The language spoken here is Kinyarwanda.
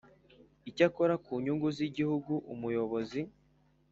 Icyakora ku nyungu z Igihugu umuyobozi